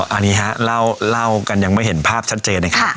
อันนี้ฮะเล่ากันยังไม่เห็นภาพชัดเจนเลยค่ะ